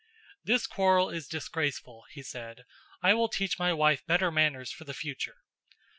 "This quarrel is disgraceful," he said. "I will teach my wife better manners for the future."